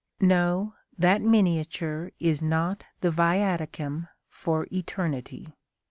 No; that miniature is not the viaticum for eternity.